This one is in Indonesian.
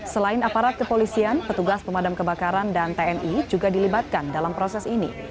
selain aparat kepolisian petugas pemadam kebakaran dan tni juga dilibatkan dalam proses ini